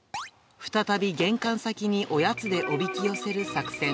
再び玄関先におやつでおびき寄せる作戦。